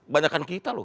banyakkan kita loh